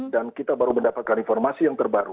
jangan rumah rumah begitu bois apapun yang terjadi